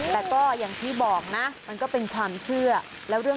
แต่ก็อย่างพี่บอกนะมันก็เป็นความเชื่อ